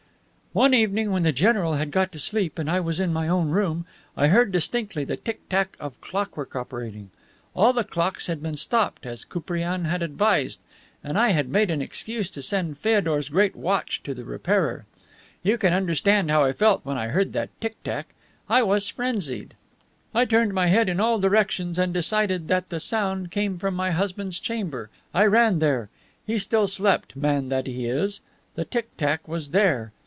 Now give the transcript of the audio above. "One evening when the general had got to sleep and I was in my own room, I heard distinctly the tick tack of clockwork operating. All the clocks had been stopped, as Koupriane advised, and I had made an excuse to send Feodor's great watch to the repairer. You can understand how I felt when I heard that tick tack. I was frenzied. I turned my head in all directions, and decided that the sound came from my husband's chamber. I ran there. He still slept, man that he is! The tick tack was there.